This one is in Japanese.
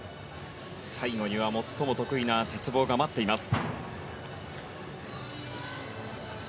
最後には最も得意な鉄棒が待っています。